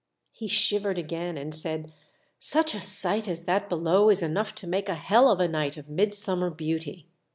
He shivered again and said, "Such a sight as that below is enough to make a Hell of a night of mid summer beauty!